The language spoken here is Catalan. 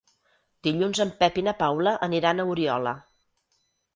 Dilluns en Pep i na Paula aniran a Oriola.